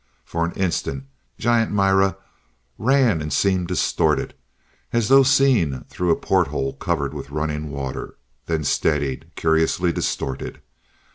For an instant, giant Mira ran and seemed distorted, as though seen through a porthole covered with running water, then steadied, curiously distorted.